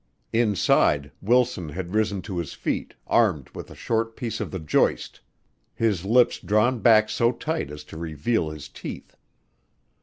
Inside, Wilson had risen to his feet, armed with a short piece of the joist, his lips drawn back so tight as to reveal his teeth.